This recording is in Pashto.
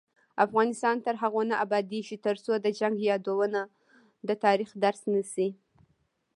افغانستان تر هغو نه ابادیږي، ترڅو د جنګ یادونه د تاریخ درس نشي.